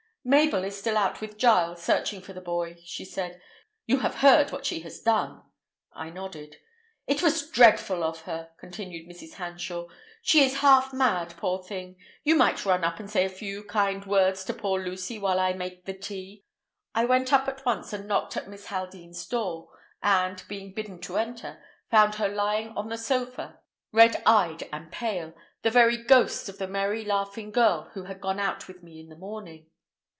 "Mabel is still out with Giles, searching for the boy," she said. "You have heard what she has done!" I nodded. "It was dreadful of her," continued Mrs. Hanshaw, "but she is half mad, poor thing. You might run up and say a few kind words to poor Lucy while I make the tea." I went up at once and knocked at Miss Haldean's door, and, being bidden to enter, found her lying on the sofa, red eyed and pale, the very ghost of the merry, laughing girl who had gone out with me in the morning.